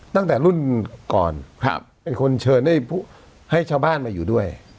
ตั้งแต่รุ่นก่อนเป็นคนเชิญให้ชาวบ้านมาอยู่ด้วย